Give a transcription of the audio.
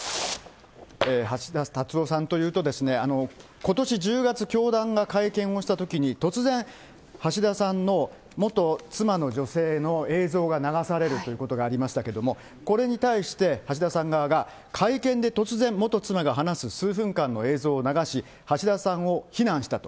橋田達夫さんというとですね、ことし１０月、教団が会見をしたときに、突然、橋田さんの元妻の女性の映像が流されるということがありましたけれども、これに対して、橋田さん側が、会見で突然、元妻が話す数分間の映像を流し、橋田さんを非難したと。